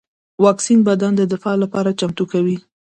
واکسین بدن د دفاع لپاره چمتو کوي